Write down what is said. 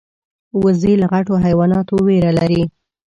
وزې له غټو حیواناتو ویره لري